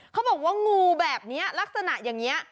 เขาบอกว่างูแบบนี้ลักษณะอย่างนี้